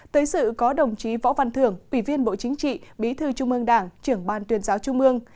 tới sự có đồng chí võ văn thưởng ủy viên bộ chính trị bí thư trung ương đảng trưởng ban tuyên giáo trung ương